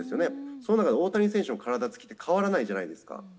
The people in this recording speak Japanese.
その中で大谷選手の体つきって、変わらないじゃないですか。